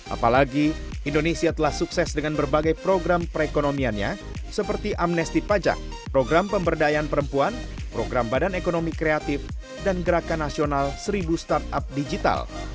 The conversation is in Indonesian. apalagi indonesia telah sukses dengan berbagai program perekonomiannya seperti amnesti pajak program pemberdayaan perempuan program badan ekonomi kreatif dan gerakan nasional seribu startup digital